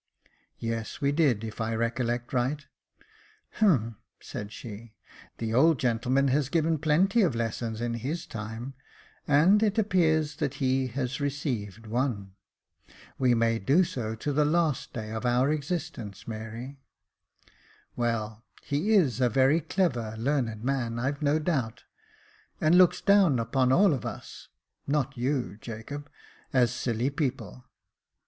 224 Jacob Faithful " Yes, we did, if I recollect righto" " Humph," said she ;" the old gentleman has given plenty of lessons in his time, and it appears that he has received oneT " We may do so to the last day of our existence, Mary," "Well, he is a very clever, learned man, I've do doubt, and looks down upon all of us (not you, Jacob) as silly people.